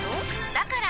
だから！